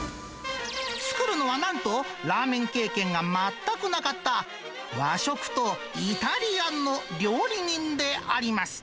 作るのはなんと、ラーメン経験が全くなかった、和食とイタリアンの料理人であります。